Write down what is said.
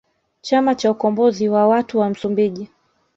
Chama cha ukombozi wa watu wa Msumbiji